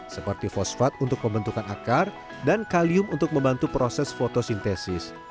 seperti fosfat untuk pembentukan akar dan kalium untuk membantu proses fotosintesis